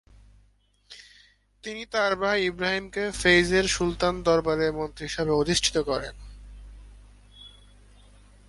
তিনি তার ভাই ইবরাহিমকে ফেজ-এর সুলতানের দরবারে মন্ত্রী হিসেবে অধিষ্ঠিত করেন।